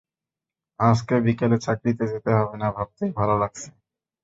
আজকে বিকেলে চাকরিতে যেতে হবে না, ভাবতেই ভালো লাগছে।